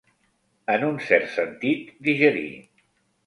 En un cert sentit, digerir.